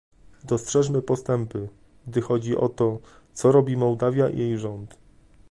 Dostrzeżmy postępy, gdy chodzi o to, co robi Mołdawia i jej rząd